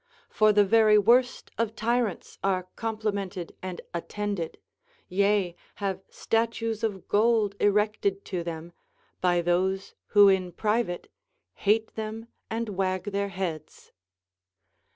For the very worst of tyrants are complimented and attended, yea, have statues of gold erected to them, by those who in private hate them and wag their heads.